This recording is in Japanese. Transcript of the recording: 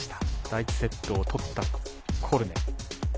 第１セットを取ったコルネ。